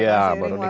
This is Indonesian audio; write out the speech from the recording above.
ya baru diketahui